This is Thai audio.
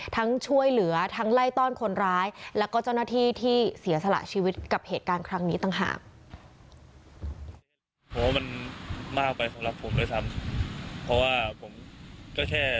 ช่วยเหลือทั้งไล่ต้อนคนร้ายแล้วก็เจ้าหน้าที่ที่เสียสละชีวิตกับเหตุการณ์ครั้งนี้ต่างหาก